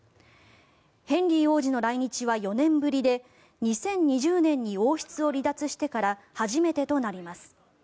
ヘンリー王子の来日は４年ぶりで２０２０年に王室を離脱してから初めてとなります。